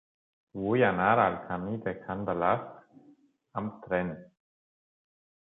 Vull anar al camí de Can Balasc amb tren.